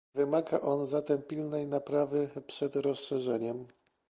Wymaga on zatem pilnej naprawy przed rozszerzeniem